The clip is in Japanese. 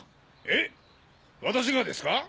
えっ私がですか？